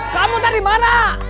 kamu tadi dimana